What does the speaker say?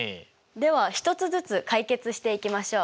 では１つずつ解決していきましょう。